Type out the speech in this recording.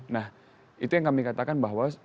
nah itu yang kami katakan bahwa